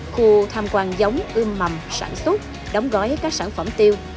khu tham quan giống ưm mầm sản xuất đóng gói các sản phẩm tiêu